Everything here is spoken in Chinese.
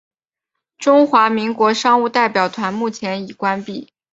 中华民国商务代表团目前也已关闭。